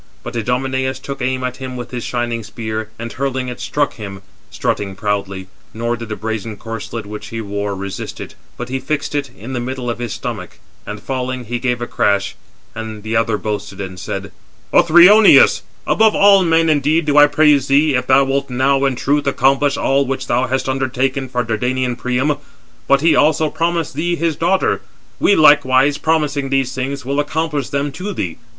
But Idomeneus took aim at him with his shining spear, and hurling it, struck him, strutting proudly; nor did the brazen corslet which he wore resist it, but he fixed it in the middle of his stomach. And falling, he gave a crash, and [the other] boasted and said: "Othryoneus! above all men indeed do I praise thee, if thou wilt now in truth accomplish all which thou hast undertaken for Dardanian Priam: but he also promised thee his daughter. We likewise, promising these things, will accomplish them to thee.